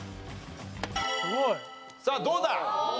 さあどうだ？